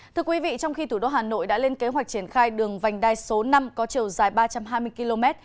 thưa quý vị trong khi thủ đô hà nội đã lên kế hoạch triển khai đường vành đai số năm có chiều dài ba trăm hai mươi km